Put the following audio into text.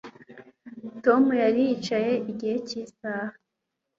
Tom yari yicaye igice cyisaha